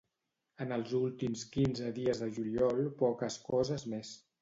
En els últims quinze dies de juliol poques coses més.